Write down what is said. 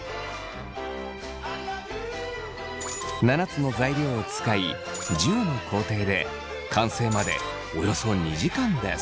７つの材料を使い１０の工程で完成までおよそ２時間です。